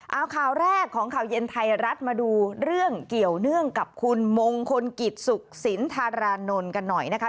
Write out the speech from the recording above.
เอาข่าวแรกของข่าวเย็นไทยรัฐมาดูเรื่องเกี่ยวเนื่องกับคุณมงคลกิจสุขสินธารานนท์กันหน่อยนะคะ